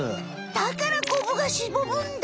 だからコブがしぼむんだ！